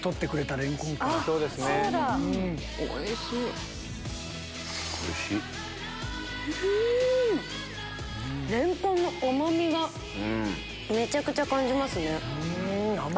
レンコンの甘みがめちゃくちゃ感じますね。